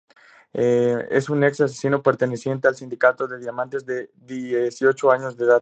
Es un ex-asesino perteneciente al Sindicato de Diamantes, de dieciocho años de edad.